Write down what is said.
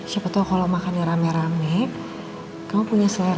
siapa tau kalo makan rame rame kamu punya selera makan